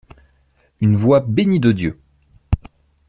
Une voix bénie de Dieu !